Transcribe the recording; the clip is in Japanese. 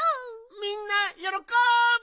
みんなよろこぶ！